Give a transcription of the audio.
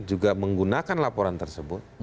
juga menggunakan laporan tersebut